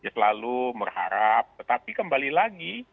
selalu berharap tetapi kembali lagi